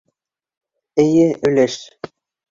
Эйе, өләс!